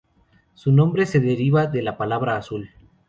Su nombre se deriva de la palabra azul.